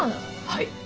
はい！